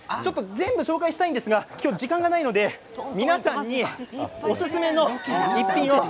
全部紹介したいですが時間がないので皆さんにおすすめの一品を。